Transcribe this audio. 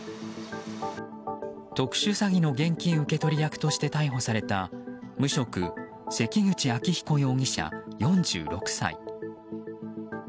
特殊詐欺の現金受け取り役として逮捕された無職・関口秋彦容疑者、４６歳。